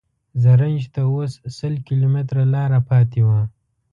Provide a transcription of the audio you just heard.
زرنج ته اوس سل کیلومتره لاره پاتې وه.